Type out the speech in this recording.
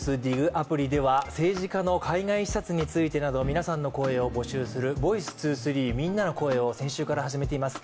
アプリでは、政治家の海外視察についてなど皆さんの声を募集する「ｖｏｉｃｅ２３みんなの声」を先週から始めています。